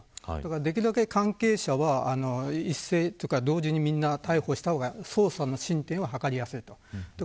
できるだけ関係者は同時にみんな逮捕した方が捜査の進展は図りやすいです。